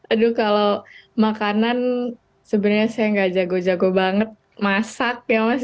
aduh kalau makanan sebenarnya saya nggak jago jago banget masak ya mas